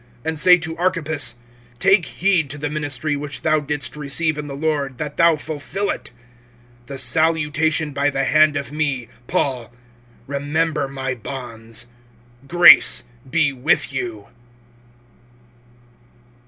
(17)And say to Archippus: Take heed to the ministry which thou didst receive in the Lord, that thou fulfill it. (18)The salutation by the hand of me, Paul. Remember my bonds. Grace be with you.